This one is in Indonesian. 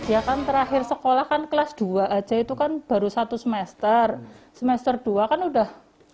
ya kan terakhir sekolah kan kelas dua aja itu kan baru satu semester semester dua kan udah